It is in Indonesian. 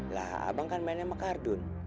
lah abang kan mainnya sama kardun